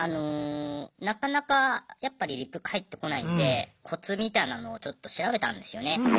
なかなかやっぱリプ返ってこないんでコツみたいなのをちょっと調べたんですよね。